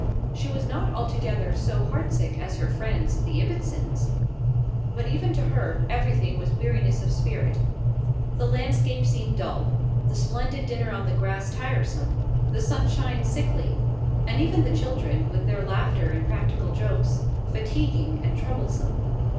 She was not altogether so heart sick as her friends, the Ibbotsons; but even to her, everything was weariness of spirit: the landscape seemed dull; the splendid dinner on the grass tiresome; the sunshine sickly; and even the children, with their laughter and practical jokes, fatiguing and troublesome.